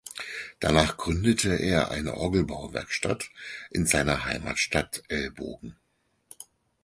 Danach gründete er eine Orgelbauwerkstatt in seiner Heimatstadt Elbogen.